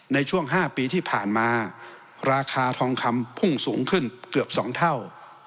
ในช่วง๕ปีที่ผ่านมาราคาทองคำพุ่งสูงขึ้นเกือบ๒เท่า